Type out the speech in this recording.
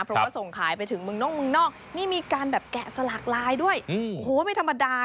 เพราะว่าส่งขายไปถึงเมืองนอกเมืองนอกนี่มีการแบบแกะสลักลายด้วยโอ้โหไม่ธรรมดา